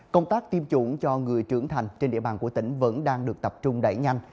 công tác tiêm chủng cho người trưởng thành trên địa bàn của tỉnh vẫn đang được tập trung đẩy nhanh